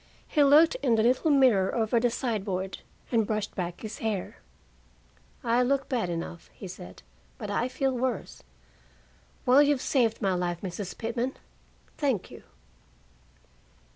He looked in the little mirror over the sideboard, and brushed back his hair. "I look bad enough," he said, "but I feel worse. Well, you've saved my life, Mrs. Pitman. Thank you."